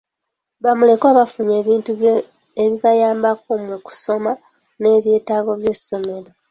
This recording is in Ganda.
Bamulekwa baafunye ebintu ebibayambako mu kusoma n'ebyetaago by'essomero.